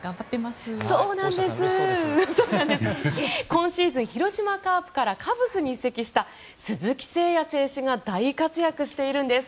今シーズン広島カープからカブスに移籍した鈴木誠也選手が大活躍しているんです。